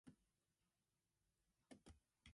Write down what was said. Darego's family roots are in Abonnema, Rivers State.